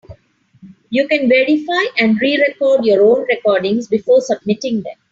You can verify and re-record your own recordings before submitting them.